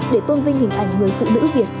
để tôn vinh hình ảnh người phụ nữ việt